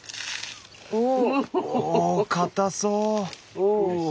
おお固そう！